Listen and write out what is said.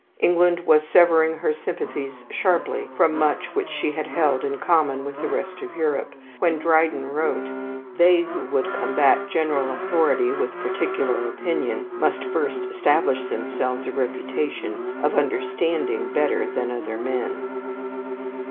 England was severing her sympathies sharply from much which she had held in common with the rest of Europe, when Dryden wrote: "They who would combat general authority with particular opinion must first establish themselves a reputation of understanding better than other men."